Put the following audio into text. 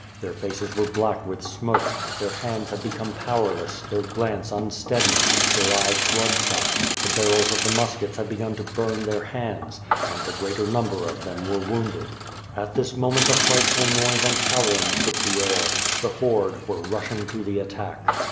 Their faces were black with smoke; their hands had become powerless, their glance unsteady; their eyes blood shot; the barrels of the X26 ^I'^B FIRE AI^D SWORD. muskets had begun to burn their hands, and the greater number of them were wounded. At this moment a frightful noise and howling shook the air. The horde were rushing to the attack.